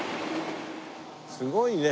すごいね。